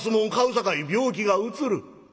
さかい病気がうつる。